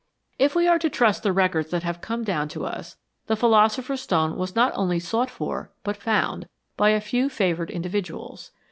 If we are to trust the records that have come down to us, the philosopher's stone was not only sought for, but found, by a few favoured individuals.